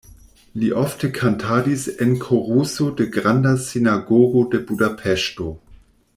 Li ofte kantadis en koruso de Granda Sinagogo de Budapeŝto.